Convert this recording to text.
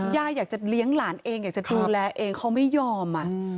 ย่าอยากจะเลี้ยงหลานเองอยากจะดูแลเองเขาไม่ยอม